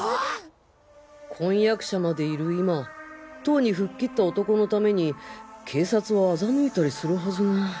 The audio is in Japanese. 婚約者までいる今とうにフッ切った男のために警察をあざむいたりするはずが。